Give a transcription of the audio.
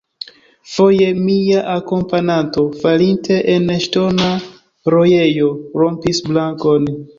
Foje mia akompananto, falinte en ŝtona rojejo, rompis brakon.